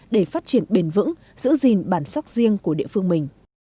để phát triển bền vững giữ gìn bản sắc riêng của địa phương mình